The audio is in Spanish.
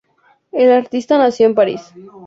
El artista nació en París.